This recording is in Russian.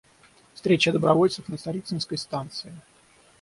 Встреча добровольцев на Царицынской станции.